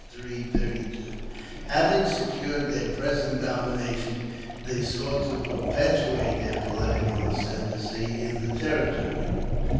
] Having secured their present domination, they sought to perpetuate their political ascendency in the Territory.